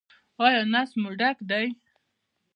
ایا نس مو ډک دی؟